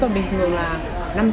cho nó mềm lại